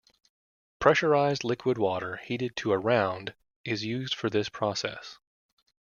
Pressurized liquid water heated to around is used for this process.